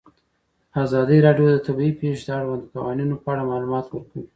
ازادي راډیو د طبیعي پېښې د اړونده قوانینو په اړه معلومات ورکړي.